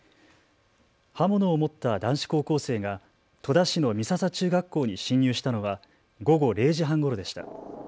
刃物を持った男子高校生が戸田市の美笹中学校に侵入したのは午後０時半ごろでした。